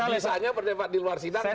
bisa hanya berdepan di luar sidang